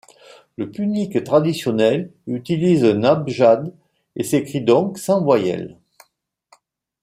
Le punique traditionnel utilise un abjad et s'écrit donc sans voyelles.